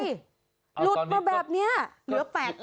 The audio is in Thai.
หลุดมาแบบนี้เหลือ๘๐๐